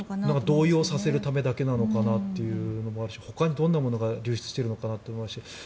動揺させるためなのかなというのもありますしほかにどんなものが流出しているのかなと。